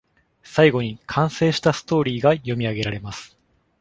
最後に、完成したストーリーが読み上げられます。